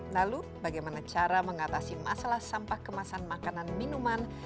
lalu bagaimana cara mengatasi masalah sampah kemasan makanan minuman